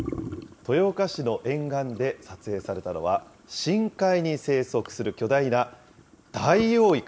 豊岡市の沿岸で撮影されたのは、深海に生息する巨大なダイオウイカ。